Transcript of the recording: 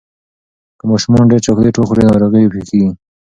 که ماشومان ډیر چاکلېټ وخوري، ناروغي پېښېږي.